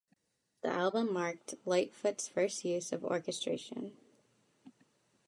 The album marked Lightfoot's first use of orchestration.